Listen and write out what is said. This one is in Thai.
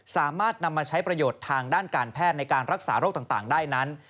สามารถนำมาใช้ประโยชน์ทางด้านการแพทย์ในการรักษาโรคต่างได้นั้น